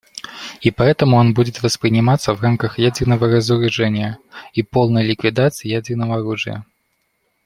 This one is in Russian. И поэтому он будет восприниматься в рамках ядерного разоружения и полной ликвидации ядерного оружия.